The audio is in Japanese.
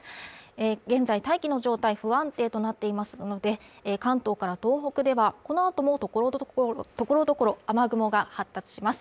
現在大気の状態不安定となっていますので関東から東北では、この後も所々、雨雲が発達します。